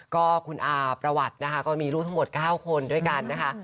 ก็คุณอาประวัตินะคะก็มีลูกทั้งหมด๙คนด้วยกันนะคะ